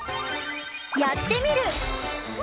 「やってみる。」。